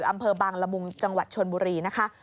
อำเภอบางละมุงจังหวัดชนบุรีนะคะ